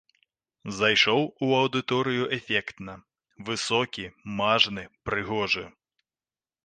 Зайшоў у аўдыторыю эфектна, высокі, мажны, прыгожы.